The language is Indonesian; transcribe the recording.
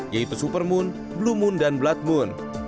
yaitu supermoon bluemoon dan bloodmoon